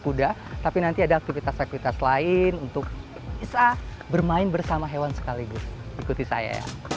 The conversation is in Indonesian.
kuda tapi nanti ada aktivitas aktivitas lain untuk bisa bermain bersama hewan sekaligus ikuti saya